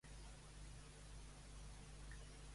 Què toca l'hereu Garranyiga?